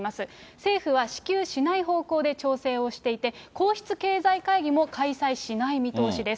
政府は支給しない方向で調整をしていて、皇室経済会議も開催しない見通しです。